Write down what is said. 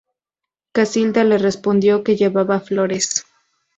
Casilda le respondió que llevaba flores.